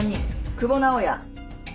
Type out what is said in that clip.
久保直哉。